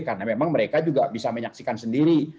karena memang mereka juga bisa menyaksikan sendiri